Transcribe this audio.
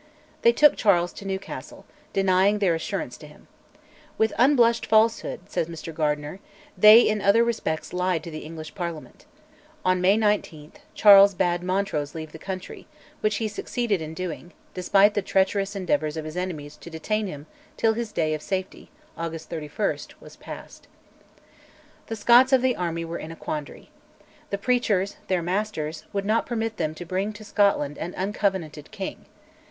They took Charles to Newcastle, denying their assurance to him. "With unblushing falsehood," says Mr Gardiner, they in other respects lied to the English Parliament. On May 19 Charles bade Montrose leave the country, which he succeeded in doing, despite the treacherous endeavours of his enemies to detain him till his day of safety (August 31) was passed. The Scots of the army were in a quandary. The preachers, their masters, would not permit them to bring to Scotland an uncovenanted king.